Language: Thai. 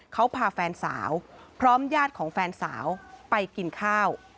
เขาพาแฟนสาวพร้อมญาติของแฟนสาวไปกินข้าว